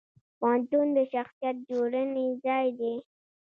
پوهنتون د شخصیت جوړونې ځای دی.